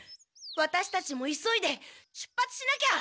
ワタシたちも急いで出発しなきゃ。